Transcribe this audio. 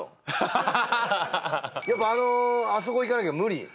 ハハハハッやっぱあのあそこ行かなきゃ無理？